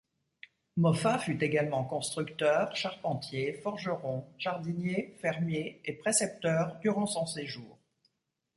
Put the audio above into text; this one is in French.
Moffat fut également constructeur, charpentier, forgeron, jardinier, fermier et précepteur durant son séjour.